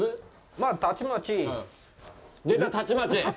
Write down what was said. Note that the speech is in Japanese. まあ、たちまち出た、「たちまち」！